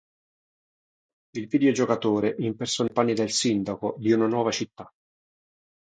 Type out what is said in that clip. Il videogiocatore impersona i panni del sindaco di una nuova città.